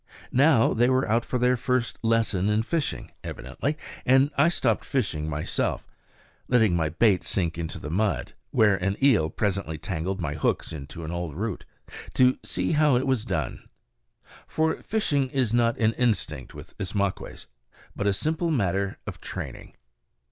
Now they were out for their first lesson in fishing, evidently; and I stopped fishing myself, letting my bait sink into the mud where an eel presently tangled my hooks into an old root to see how it was done. For fishing is not an instinct with Ismaques, but a simple matter of training.